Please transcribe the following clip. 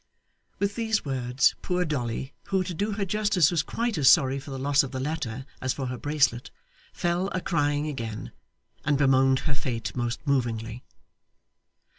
With these words poor Dolly, who to do her justice was quite as sorry for the loss of the letter as for her bracelet, fell a crying again, and bemoaned her fate most movingly.